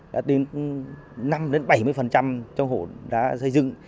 đã tính năm bảy mươi trong hộ đã xây dựng